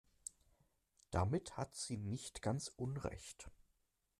Damit hat sie nicht ganz Unrecht.